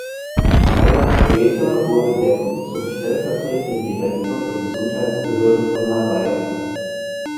Drei Jahre später wurde Beppu zum stellvertretenden Direktor der Gesundheitsbehörde von Hawaii ernannt.